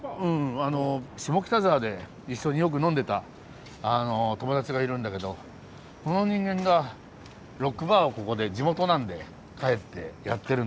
下北沢で一緒によく呑んでた友達がいるんだけどその人間がロックバーをここで地元なんで帰ってやってるんですよ。